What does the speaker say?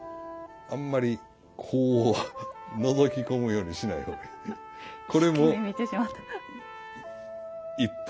あんまりこうのぞき込むようにしない方がいい。